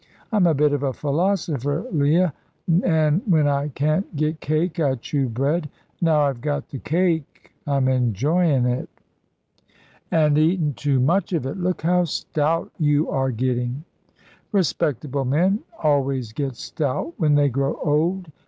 I'm a bit of a philosopher, Leah, an' when I can't get cake I chew bread. Now I've got the cake I'm enjoyin' it." "And eating too much of it. Look how stout yon are getting." "Respectable men always get stout when they grow old."